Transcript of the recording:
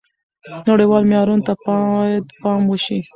نړیوالو معیارونو ته باید پام وشي.